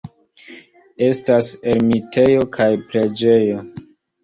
Estas ermitejo kaj preĝejo.